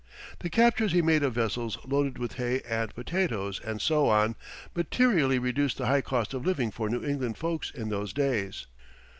The captures he made of vessels loaded with hay and potatoes, and so on, materially reduced the high cost of living for New England folks in those days.